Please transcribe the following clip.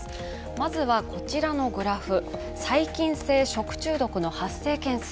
まずはこちらのグラフ、細菌性食中毒の発生件数。